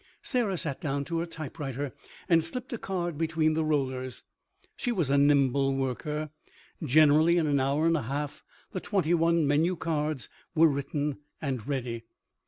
Sarah sat down to her typewriter and slipped a card between the rollers. She was a nimble worker. Generally in an hour and a half the twenty one menu cards were written and ready.